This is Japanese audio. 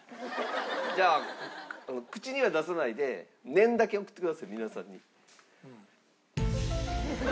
じゃあ口には出さないで念だけ送ってください皆さんに。